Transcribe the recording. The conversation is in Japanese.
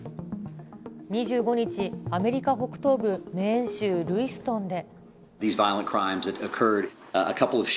２５日、アメリカ北東部、メーン州ルイストンで。